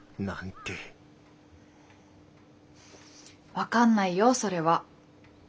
分かんないよそれは。